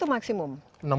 maksimum enam bulan